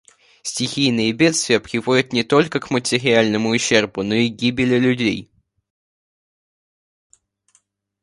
Стихийные бедствия приводят не только к материальному ущербу, но и к гибели людей.